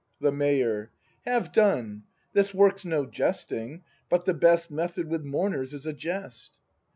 The Mayor. Have done! This work's no jesting; but the best Method with mourners is a jest.